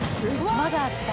まだあった。